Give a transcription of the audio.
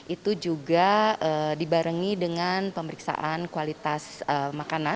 itu juga dibarengi dengan pemeriksaan kualitas makanan